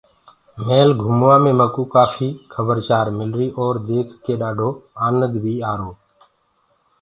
ميٚل گھُموآ مي مڪوُ ڪآڦي مآلومآت مِلر اور ديک ڪي ڏآڊو آنند بي آرو۔